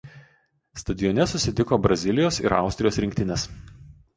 Stadione susitiko Brazilijos ir Austrijos rinktinės.